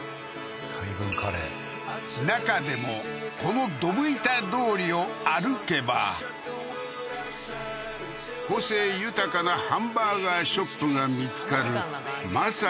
海軍カレー中でもこのどぶ板通りを歩けば個性豊かなハンバーガーショップが見つかる